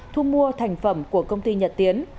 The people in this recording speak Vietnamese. thu mua thành phẩm của công ty nhật tiến